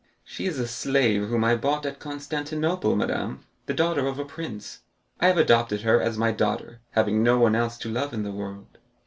"She is a slave whom I bought at Constantinople, madame, the daughter of a prince. I have adopted her as my daughter, having no one else to love in the world."